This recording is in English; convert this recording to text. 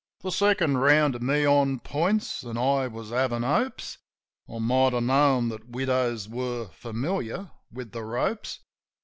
The second round to me on points; an' I was havin' hopes. (I might have known that widows were familiar with the ropes.)